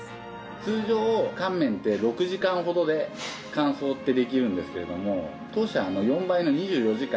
通常乾麺って６時間ほどで乾燥ってできるんですけれども当社は４倍の２４時間。